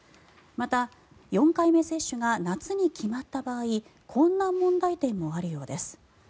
また、４回目接種が夏に決まった場合こんな問題点もあるようです。